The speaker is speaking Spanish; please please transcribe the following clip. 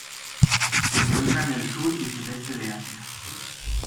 Se encuentra en el sur y sudeste de Asia.